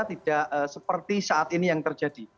tidak seperti saat ini yang terjadi